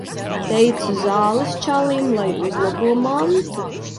Teicu zāles čalim, lai uzlabo mantu.